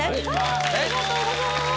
ありがとうございます。